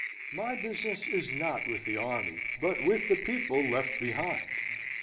My business is not with the army, but with the people left behind.